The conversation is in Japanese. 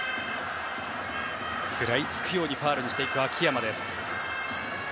食らいつくようにファウルにしていく秋山。